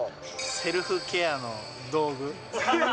セルフケアの道具。